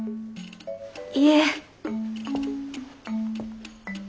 いえ。